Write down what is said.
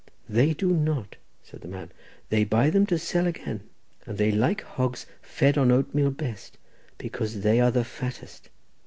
"They do not," said the man; "they buy them to sell again; and they like hogs fed on oatmeal best, because they are the fattest."